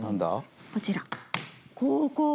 こちら。